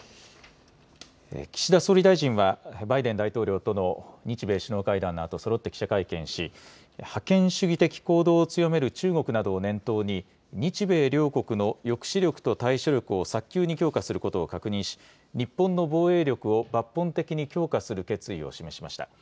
岸田総理大臣は、バイデン大統領との日米首脳会談のあと、そろって記者会見し、覇権主義的行動を強める中国などを念頭に、日米両国の抑止力と対処力を早急に強化することを確認し、日本の防衛力を抜本的に強化する決意を示しました。